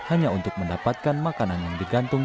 hanya untuk mendapatkan makanan yang digantung